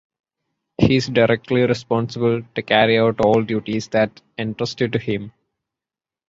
He is directly responsible to carry out all duties that entrusted to him.